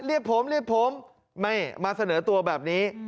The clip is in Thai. เรียกผมเรียกผมไม่มาเสนอตัวแบบนี้